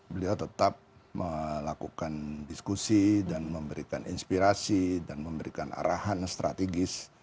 beliau tetap melakukan diskusi dan memberikan inspirasi dan memberikan arahan strategis